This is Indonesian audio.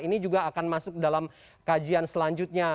ini juga akan masuk dalam kajian selanjutnya